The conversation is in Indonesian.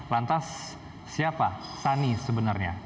lantas siapa sani sebenarnya